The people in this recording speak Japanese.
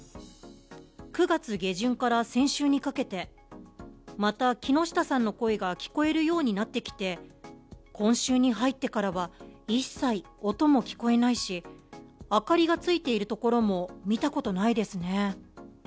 ９月下旬から先週にかけてまた木下さんの声が聞こえるようになってきて今週に入ってからは、一切、音も聞こえないし、明かりがついているところも見たことないですね。